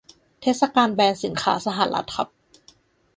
เทศกาลแบนสินค้าสหรัฐครับ